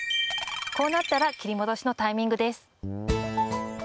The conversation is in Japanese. こうなったら切り戻しのタイミングです。